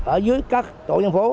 ở dưới các tổ dân phố